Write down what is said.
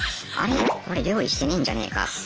これ料理してねえんじゃねえか？とか。